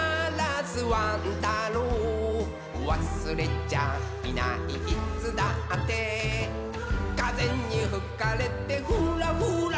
ワン太郎」「わすれちゃいないいつだって」「かぜにふかれてフラフラリ」